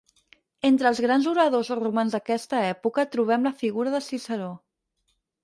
Entre els grans oradors romans d'aquesta època, trobem la figura de Ciceró.